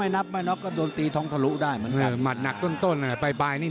ไหนหม่อก็โดนทีท้องทะลุแบบนี้